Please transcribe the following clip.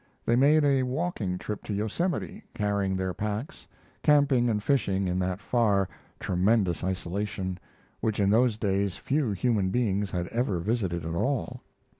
They made a walking trip to Yosemite, carrying their packs, camping and fishing in that far, tremendous isolation, which in those days few human beings had ever visited at all.